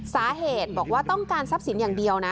สาเหตุบอกว่าต้องการทรัพย์สินอย่างเดียวนะ